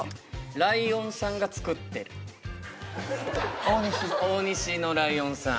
ライオンさんが作ってる大西の大西のライオンさん